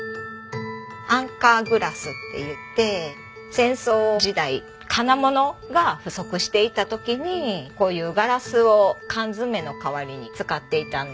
アンカーグラスっていって戦争時代金物が不足していた時にこういうガラスを缶詰の代わりに使っていたんです。